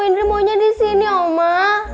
indra maunya di sini oma